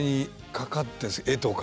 絵とか。